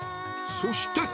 そして